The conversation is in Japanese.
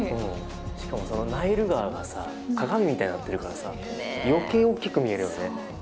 しかもナイル川がさ鏡みたいになってるからさ余計おっきく見えるよね。